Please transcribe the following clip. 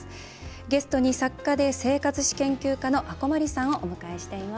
ゲストに作家で生活史研究家の阿古真理さんをお迎えしています。